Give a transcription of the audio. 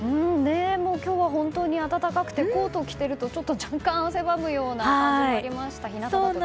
今日は本当に暖かくてコートを着てるとちょっと若干汗ばむような感じもありました。